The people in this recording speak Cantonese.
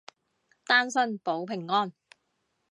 單身保平安